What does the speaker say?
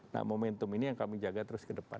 nah momentum ini yang kami jaga terus ke depan